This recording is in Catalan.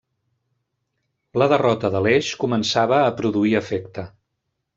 La derrota de l'Eix començava a produir efecte.